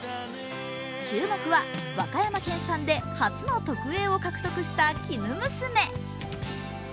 注目は、和歌山県産で初の特Ａを獲得した、きぬむすめ。